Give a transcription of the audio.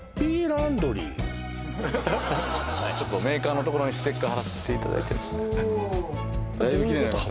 ランドリーちょっとメーカーのところにステッカー貼らせていただいてるんですねどういうこと？